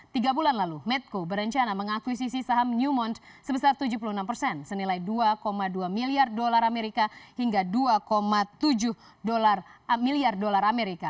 tiga bulan lalu medco berencana mengakuisisi saham newmont sebesar tujuh puluh enam persen senilai dua dua miliar dolar amerika hingga dua tujuh miliar dolar amerika